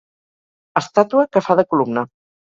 Estàtua que fa de columna.